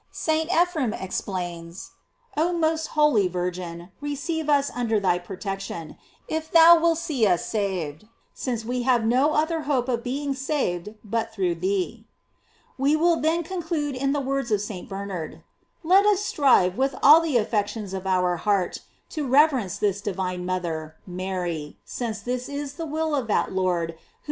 J St. Ephrem explains: Oh most holy Virgin, receive us under thy protection, if thou wilt see us saved, since we have no other hope of being saved but through thee.§ We will then conclude in the words of St. Bernard: Let us strive, with all the affections of our heart, to reverence this divine mother, Mary, since this is the will of that Lord who would * Fflioll, h&c maxima mea fiducla, hsec tota ratio spei m«w.